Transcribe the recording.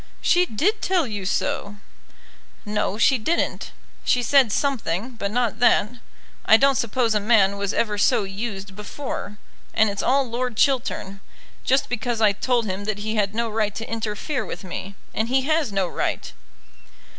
"She did tell you so." "No, she didn't. She said something, but not that. I don't suppose a man was ever so used before; and it's all Lord Chiltern; just because I told him that he had no right to interfere with me. And he has no right."